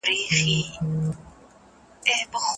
سازمانونه ولي د رایې ورکولو حق تضمینوي؟